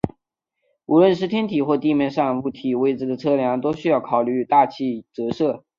无论是天体或地面上物体位置的测量都需要考虑大气折射。